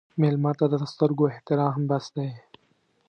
مېلمه ته د سترګو احترام هم بس دی.